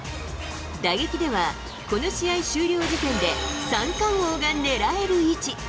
打撃では、この試合終了時点で、三冠王が狙える位置。